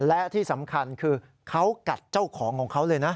และที่สำคัญคือเขากัดเจ้าของของเขาเลยนะ